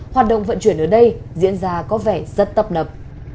hoạt động vận chuyển ở đây diễn ra có vẻ rất tập nập